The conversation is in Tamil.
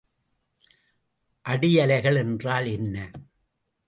அடியலைகள் என்றால் என்ன?